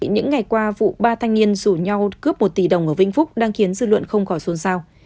những ngày qua vụ ba thanh niên rủ nhau cướp một tỷ đồng ở vinh phúc đang khiến dư luận không khỏi xuân sao